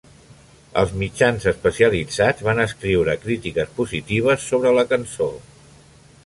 Els mitjans especialitzats van escriure crítiques positives sobre la cançó.